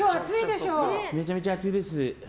めちゃめちゃ暑いです。